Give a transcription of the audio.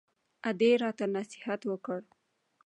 ادې راته نصيحت وکړ.